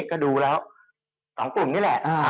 ก็ดูแล้ว๒กลุ่มนี่แหละ